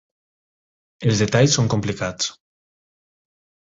Els detalls són complicats.